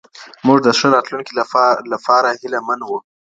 موږ د ښه راتلونکي له پاره هيله من وو.